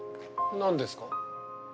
何ですか？